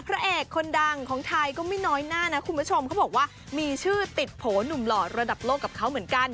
พระเอกคนดังของไทยก็ไม่น้อยหน้านะคุณผู้ชมเขาบอกว่ามีชื่อติดโผล่หนุ่มหล่อระดับโลกกับเขาเหมือนกัน